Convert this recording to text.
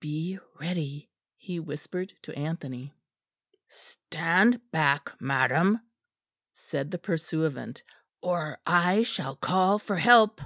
"Be ready," he whispered to Anthony. "Stand back, madam," said the pursuivant, "or I shall call for help."